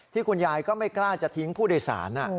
คุณยายก็ไม่กล้าจะทิ้งผู้โดยสาร